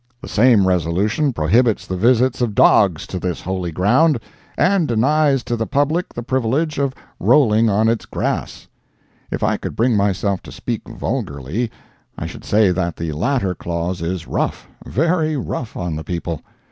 The same resolution prohibits the visits of dogs to this holy ground, and denies to the public the privilege of rolling on its grass. If I could bring myself to speak vulgarly, I should say that the latter clause is rough—very rough on the people.